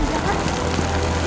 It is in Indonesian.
nanti gue bakal jalanin